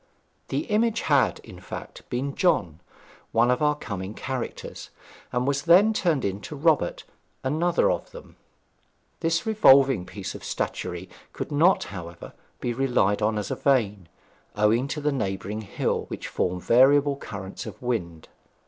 The image had, in fact, been John, one of our coming characters, and was then turned into Robert, another of them. This revolving piece of statuary could not, however, be relied on as a vane, owing to the neighbouring hill, which formed variable currents in the wind.